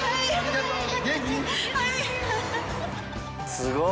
すごい！